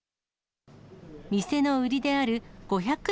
店の売りである５００円